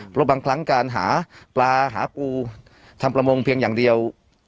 เพราะบางครั้งการหาปลาหาปูทำประมงเพียงอย่างเดียว